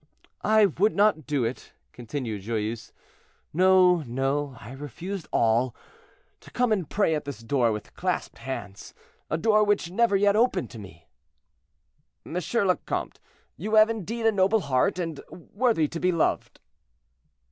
"I would not do it," continued Joyeuse; "no, no, I refused all, to come and pray at this door with clasped hands—a door which never yet opened to me." "M. le Comte, you have indeed a noble heart, and worthy to be loved."